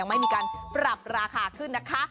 ไม่มีการปรับราคาขึ้นนะคะ